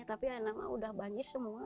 tapi emak udah banjir semua